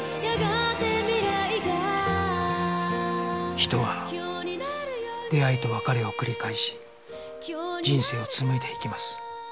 人は出会いと別れを繰り返し人生を紡いでいきます